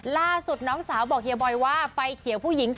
ล่าสุดน้องสาวบอกเฮียบอยว่าไฟเขียวผู้หญิง